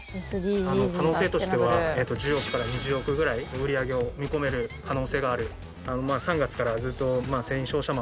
可能性としては１０億から２０億ぐらい売り上げを見込める可能性がある。